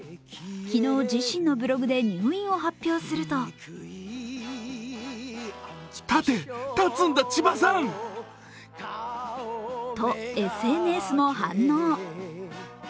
昨日自身のブログで入院を発表するとと、ＳＮＳを反応。